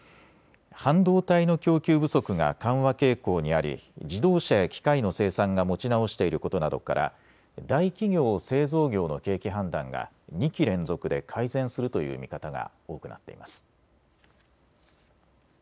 半導体の供給不足が緩和傾向にあり自動車や機械の生産が持ち直していることなどから大企業・製造業の景気判断が２期連続で改善するという見方が多くなっています。